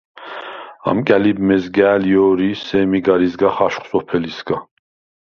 ამკა̈ლიბ მეზგა̄̈ლ ჲო̄რი ი სემი გარ იზგახ აშხვ სოფელისგა.